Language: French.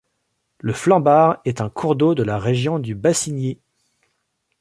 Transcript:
Le Flambart est un cours d'eau de la région du Bassigny.